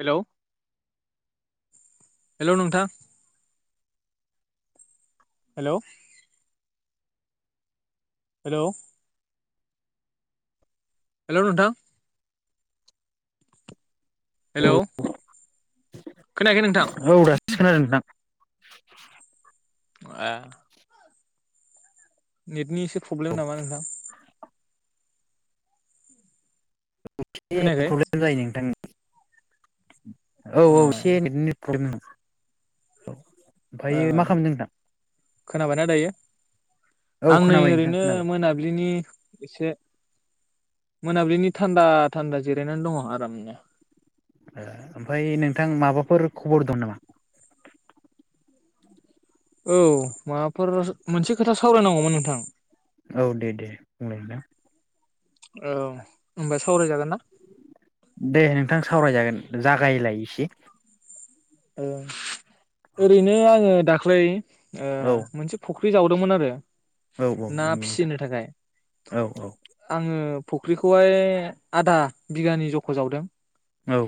Hello hello नोंथां? Hello hello hello नोंथां औ हेलौ खोनायाखै नोंथां दासो खोनादों नोंथां आ नेटनि एसे प्रब्लेम नामा नोंथां। खोनायाखै प्रब्लेम जायो नोंथांनि औ औ ओ एसे प्रब्लेमामोन औ ओ ओमफायो मा खामदों नोंथां? खोनाबायना दायो औ आं नै खोनाबाय नोंथां ओरैनो खोनाबाय मोनाबिलिनि एसे मोनाबिलिनि थान्दा थान्दा जिरायनानै दङ आरामनो। ओमफ्राय नोंथां माबाफोर खबर दं नामा? औ माबाफोर मोनसे खोथा सावरायनांगौमोन नोंथां। औ दे दे बुंलाय नोंथां। औ होनबा सावरायजागोन ना? दे नोंथां सावरायजागोन जागायलाय एसे। ओ ओरैनो आङो दाख्लै ओ औ मोनसे फ ख्रि जावदोंमोन आरो औ ना नंगौ नोंथां फिसिनो थाखाय औ औ आङो फख्रिखौहाय आधा बिगानि जख' जावदों। औ।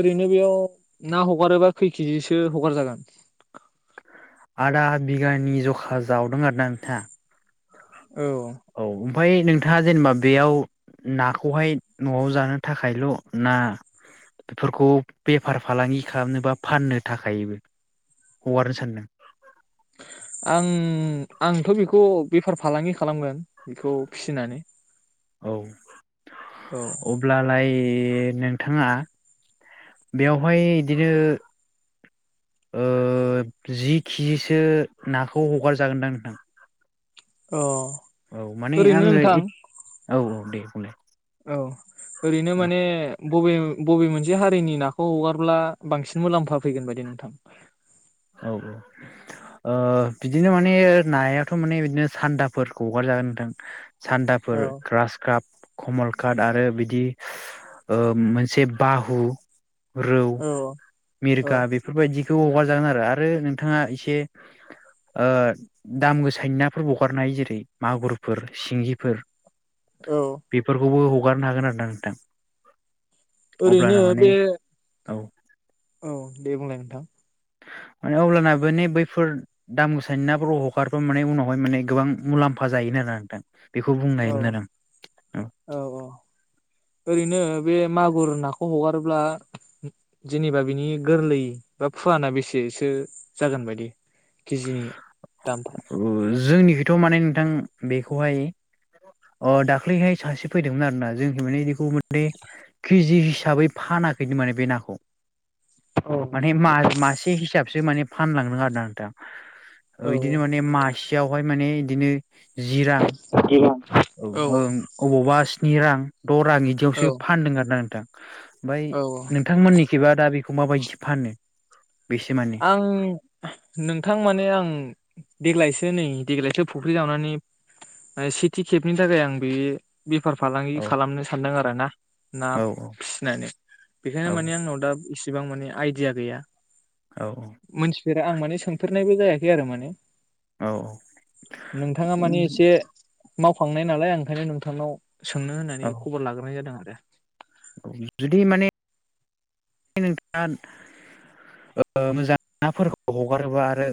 ओरैनो बेयाव ना हगारोबा खै किजिसो हगार जागोन? आधा बिगानि जखा जावदों आरोना नोंथाङा? औ औ ओमफाय नोंथाङा जेनेबा बेयाव नाखौहाय न'आव जानो थाखायल' ना बिफोरखौ बेफार फालांगि खालामनो बा फाननो थाखाय हगारनो सानदों? [inaudible] आं आंथ' बिखौ बेफार फालांगि खालामगोन बिखौ फिसिनानै। औ औ अब्लालाय नोंथाङा बेयावहाय इदिनो ओ जि किजिसो नाखौ हगारजागोनदां नोंथां। अ। औ माने ओरैनो आङो नोंथां एद औ औ दे बुंलाय औ ओरैनो औ माने बबे बबे मोनसे हारिनि नाखौ हगारब्ला बांसिन मुलाम्फा फैगोन बायदि नोंथां औ औ। ओ बिदिनो माने नायाथ' माने बिदिनो सान्दाफोर हगारजागोन नोंथां। सान्दाफोर औ ग्रास काप कमल काट आरो बिदि ओ मोनसे बाहु रौ औ औ मिरगा बेफोरबायदि बे हगार जागोन आरो आरो नोंथाङा एसे ओ दाम गोसानि नाफोरबो हगारनो हायो जेरै मागुरफोर सिंगिफोर औ बेफोरखौबो हगारनो हागोन आरोना नोंथां। ओरैनो अब्लाना माने बे औ औ दे बुंलाय नोंथां। माने अब्लाना बेान बैफोर दाम गोसानि नाफोर हखारफोर माने उनावहाय माने गोबां मुलाम्फा मुलाम्फा जायो होननादों औ औ औ ओरैनो बे मागुर आगुर नाखौ हगारोब्ला जेनेबा बिनि गोरलै बा फुवाना बेसेसो जागोन बायदि किजि जोंनिखौथ माने नोंथां बेखौहाय अ दाख्लैहाय सासे फैदोंमोन आरोना जोंनि माने बेखौ माने केजि हिसाबै फानाखैनो माने बे नाखौ औ माने म मासे हिसाबसो माने फानलांनो आरोदों नोंथा औ इदिनो माने मासेयावहाय माने बिदिनो जि रां औ अबावबा स्नि रां द रां औ बिदियावसो फानदों आरोना नोंथां ओमफ्राय औ नोंथांमोननिखेबा दा बेखौ माबायदि फानो बेसे मानि आं नोंथां माने आं देग्लायसो नै देग्लायसो फुख्रि जावनानै सेथि खेबनि थाखाय आं बे बेफार फालांगि औ खालामनो सानदों आरो ना ना औ फिसिनानै बेखायनो औ मानि आंनाव दा इसिबां माने आइडिया गैया औ मोनथिफेरा आं माने सोंफेरनायबो जायाखै आरो माने औ नोंथाङा मानि एसे मावखांनाय नालाय ओंखायनो नोंथांनाव सोंनो औ होननानै खबर लाग्रोनाय जादों आरो जुदि माने नोंथाङा मोजां नाफोरखौ हगारोब्ला आरो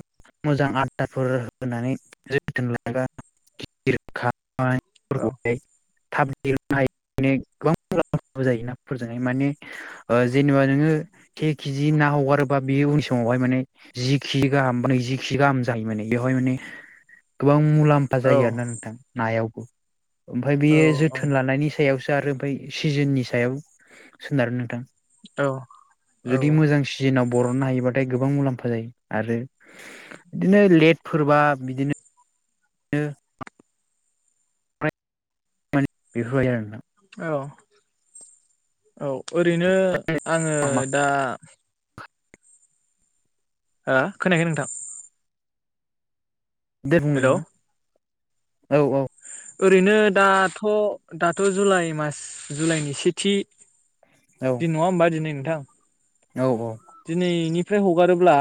मोजां आदारफोर होनानै जोथोन लागाखा [unintelligible] [unintelligible] नो हायो गोबां जायो नाफोरजोंहाय माने जेनेबा नोङो [inaudible] केजि ना हगारोबा बे उननि समावहाय माने जि केजि गाहाम ब नैजि केिजि गाहाम जायो माने बेवहाय माने गोबां मुलाम्फा औ जायो आरोोना नोंथां नायावबो ओमफ्राय औ बेयो जोथोन लानायनि सायाव दारओमफ्राय सिजोननि सायाव सोनारो नोंथां औ [inaudible] जुदि औ मोजां सिजोनाव बरनो हायोबाथाय गोबां मुलाम्फा जायो आरो बिदिनो लेटफोरबा बिदिनो नो [unintelligible] औ औ ओरैनो आंङो नोंथां दा खोनायाखै नोंथां हेलौ [unintelligible] औ औ ओरैनो दाथ दाथ जुलाइ मास जुलाइनि सेथि दिन नंङा होमबा दिनै नोंथां औ ओ दिनैनिफ्राय हगारोब्ला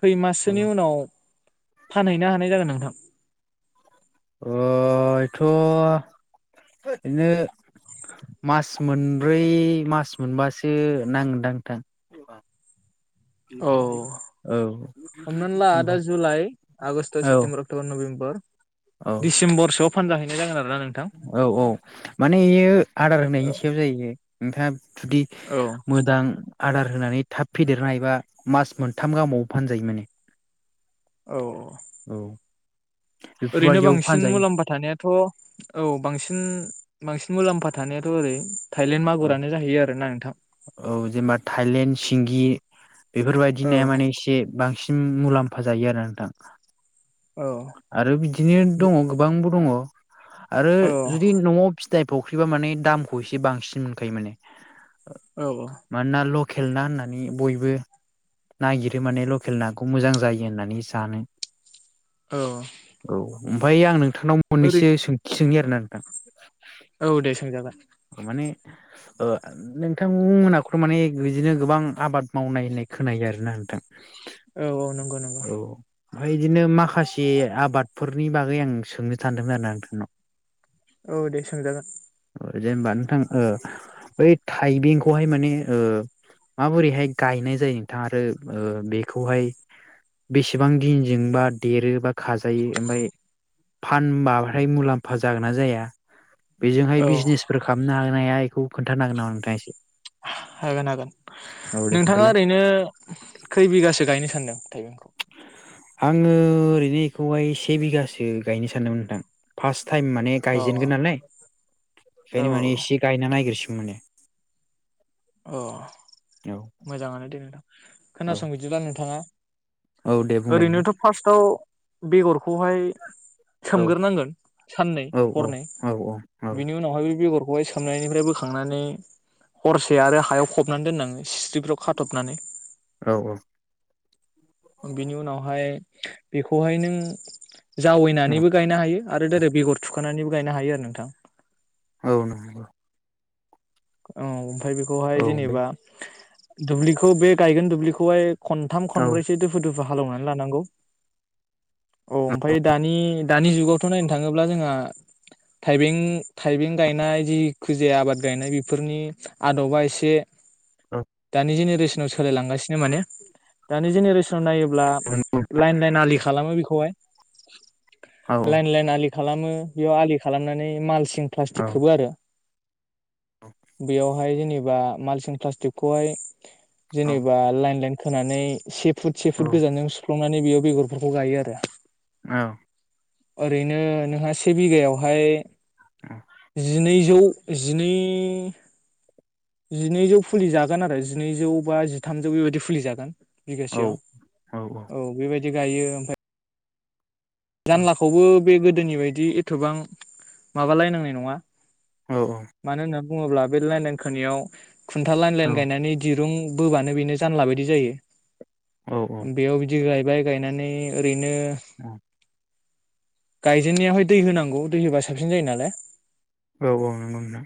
खै माससोनि उनाव फानहैनो हानाय जागोन नोंथां [inaudible] अयथ बिदनो मास मोनब्रै मास मोनबासो नांगोनदां थां। [inaudible] औ हमनानै ला दा ओमफ्राय जुलाइ आगष्ट औ सेप्तेम्बर अक्टबर नभेम्बर औ दिडिसेम्बरसोआव फानजाहैनाय जागोन आरो। औ औ माने एयो आदार होनायनि औ सायाव जायो। नोंथाङा थुदि औ मोदां आदार होनानै थाब फेदेरनो हायोबा मास मोनथाम गाहामाव फानजायो माने। औ। औ ओरैनो बेफोरबायदियाव बांसिन फानजायो मुलाम्फा थानायाथ' औ बांसिन बांसिन मुलाम्फा थानायाथ' ओरै थायलेण्ड औ मागुरानो जाहैयो आरोना नोंथां। औ जेनेबा थाइलेण्ड सिंगि बेफोरबायदि औ नाया माने एसे बांसिन मुलाम्फा जायो आरो नोंथां। औ आरो बिदिनो दङ' गोबांबो दङ' आरो औ जुदि न'आव फि नाय फुख्रिबा माने दामखौ एसे बांसिन मोनखायो माने। औ औ। खेलना होननानै बयबो नागिरो माने लकेल नाखौ मोजां जायो होननानै जानो। औ। ओमफाय आं नोंथांनाव ओरै मोननैसो सोंथि सोंनि आरोना नोंथां। औ दे सोंजागोन। माने ओ नोंथांमोनाखौथ' माने बिदिनो गोबां आबाद मावनाय होननाय खोनायो आरोना नोंथां। औ औ नंगौ नंगौ। ओमफाय इदिनो माखासे आबादफोरनि बागै आं सोंनो सानदोंमोन आरोना नोंथांनाव। औ दे सोंजागोन। जेनबा नोंथां ओ बै थाइबेंखौहाय माने ओ माबोरैहाय गायनाय जायो नोंथां आरो ओ बेखौहाय बेसेबां दिनजों बा देरो बा खाजायो ओमफाय फानबाथाय मुलाम्फा जागोन ना जाया? बेजोंहाय औ बिजनेसफोर खामनो हागोनना हाया इखौ खोन्थानो हागोन नामा नोंथाङा एसे? हागोन हागोन औ दे खोन्थालाय नोंथाङा ओरैनो खै बिगासो गायनो सानदों? थाइबेंखौ? आङो ओरैनो एखौहाय से बिगासो गायनो सानदोंमोन नोंथां फार्स्ट टाइम माने अ गायजेनगोन औ नालाय। औ बेखायनो माने एसे गायना नायगोरसि माने। औ अ मोजाङानो दे नोंथां। औ खोनासं बिदिब्ला नोंथाङा औ दे बुंलाय नोंथां ओरैनोथ' फार्स्टआव बेगरखौहाय औ सोमग्रोनांगोन साननै औ औ हरनै। औ बिनि उनावहाय बे बेगर खौहाय सोमनायनिफ्राय बोखांनानै हरसे आरो हायाव फबनानै दोन्नानै सिस्रिफ्राव खाथबनानै। औ औ बेनि उनावहाय बेखौहाय नों जावैनानैबो गायनो हायो। आरो डाइरेक बेगर थुखानानैबो गायनो हायो आरो नोंथां। औ नोंगौ। औ ओमफाय बेखौहाय औ नंगौ जेनेबा दुब्लिखौ बे गायगोन दुब्लिखौहाय खनथाम औ खनब्रैसो दुफु दुफु हालौनानै लानांगौ। औ ओमफाय दानि दानि जुगावथ' नायनो थाङोब्ला जोंहा थाइबें थाइबें गायनाय जि खुजि आबाद गायनाय बे फोरनि आदबा एसे दानि जेनेरेस सनाव सोलाय लांगासिनो माने। दानि जेनेरेसनाव नायो ब्ला औ औ लायेन लायेन आलि खालामो बेखौहाय औ लायेन लायेन आलि खालामो बेयाव आलि खालामनानै मालसिं औ नंगौ नोंथां औ नंगौ औ प्लास्टिकखोबो आरो। बेयावहाय जेनेबा मालसिन प्लास्टिकखौहाय जेनेबा लाइन लाइन खोनानै से फुट से फुट गोजानजों सुफ्लंनानै बेयाव बेगरफोरखौ गायो आरो। औ। ओरैनो नोंहा से बिघायावहाय जिनैजौ जिनै जिनैजौ फुलि जागोन आरो जिनैजौ बा जिथामजौ बेबायदि फुलि जागोन। बिगासेयाव औ बेबायदि गायो ओमफाय जांलाप आवबो बे गोदोनि बायदि एथबां माबालायनांनाय नङा, मानो होनना बुङोब्ला बे लाइनां खोननियाव खुन्था लाइन लाइन गायनानै दिरुं बोबानो बेनो जानला बायदि जायो। बेयाव बिदि गायबाय गायनानै ओरैनो गायजेननायावहाय दै होनांगौ दै होबा साबसिन जायो नालाय। औ औ नंगौ नोंथां।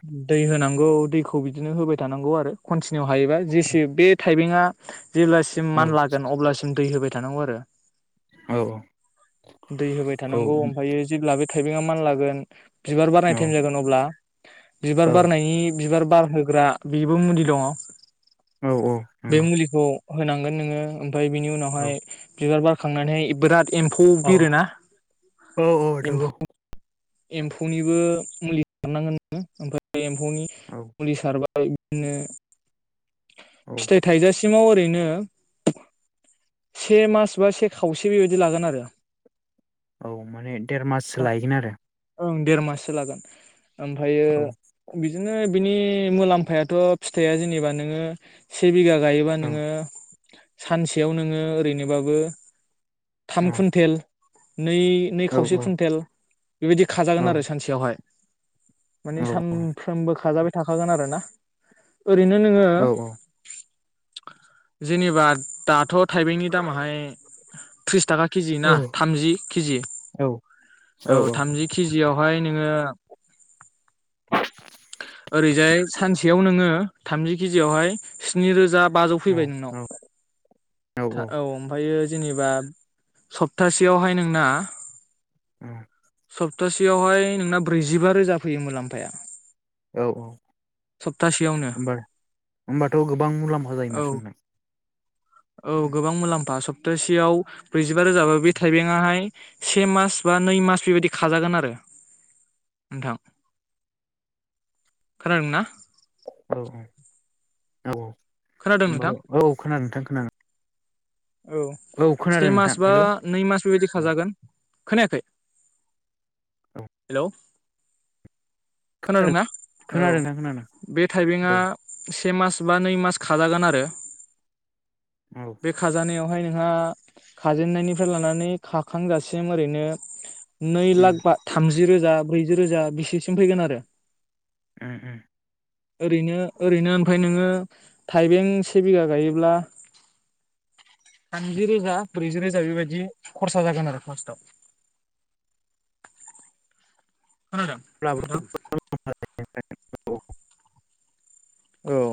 औ नौ दैखौ बिदिनो होबाय थानांगौ आरो कनटिनिउ हायोबा जेसे बे थाइबंआ जेब्लासिम मान लागोन अब्लासिम दै होबाय थानांगौ आरो। औ। दै होबाय थानांगौ ओमफायायो जेब्ला बे थाइबें मान लागोन बिबार बारनाय टाइम जागोन अब्ला बिबार बारनायनि बिबार बारहोग्रा बेबो मुलि दङ। बे मुलिखौ होनांगोन नोङो ओमफ्राय बिनि उनावहाय बिबार बार खांनानै बिराद एम्फौ औ बिरोना औ औ थांगौ। एम्फौ एम्फौनिबो मुलि सारनांगोन नोङो ओमफ्राय एम्फौनि औ मुलि सारबा इदिनो औ फिथाइ थाइजासि सिमाव ओरैनो से मास बा से खावसे बेबायदि लागोन आरो। औ माने देर माससो लायगोन आरो। ओं देर माससो लागोन ओमफायो बिदिनो बिनि मुलाम्फायाथ' फिथाइया जेनेबा नोङो से बिघा गायोबा औ नोङो सानसेयाव नोङो ओरैनोबाबो थाम कुन्टेल नै नै औ खावसे कुइन्टेल बेबायदि औ खाजागोन आरो सानसेयावहाय माने औ सानफ्रोमबो खाजाबाय थाखागोन आरो ना। ओरैनो नोङो औ जेनेबा दाथ' थाइबेंनि दामाहाय थ्रिस थाखा केजि ना थामजि केजि औ थामजि केजि आयावहाय नों ङो [inaudible] ओरैजाय सानसेयाव नोङो थामजि केजियावहाय स्नि रोजा बाजौ फैबाय नोंनाव औ ओमफायो जेनेबा सप्तासेयावहाय नोंना उम सप्तासेयावहाय नोंना ब्रैजिबा रोजा फैयो मुलाम्फाया औ औ। सप्तासेयावनो होमबा होमबाथ' गोबां मुलाम्फा जायो औ नोंथां औ गोबां मुलाम्फा स दसेयाव ब्रैजिबा रोजाबो बे थाइबेंहाय से मास बा नै मास बेबायदि खाजागोन आरो। नोंथां खोनादों ना? औ औ खोनादों नोंथां औ खोनादों नोंथां खोनादों। औ औ से खोनादों मास नोंथां बा हेलौ नै मास बेबायदि औ खाजागोन। खोनायाखै औ हेलौ? खोनादोंना औ खोनादों नोंथां खोनादों बे थाइबेंआ औ से मास बा नै मास खाजागोन आरो औ बे खाजानायाव ओमफ्राय नोंहा खाजेननायनिफ्राय लानानै खाखांजासिम ओरैनो नै उम लाख बा थामजि रोजा ब्रैजि रोजा बेसेसिम फैगोन आरो। उम उम। ओरैनो ओरैनो ओमफ्राय नोङो थाइबें से बिगा गायोब्ला थामजि रोजा ब्रैजि रोजा बेबायदि खरसा जागोन आरो फार्स्टआव। [inaudible] खोनादों अब्लाबो नोंथां? [unintelligible] औ,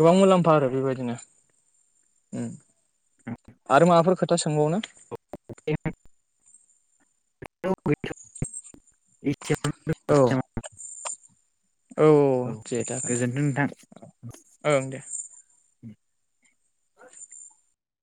गोबां मुलाम्फा आरो बेबायदिनो उम आरो माबाफोर खोथा सोंबावनो? [unintelligible] [unintelligible] औ दे, औ औ दे जागोन दे गोजोनथों नोंथां। ओं दे [inaudible]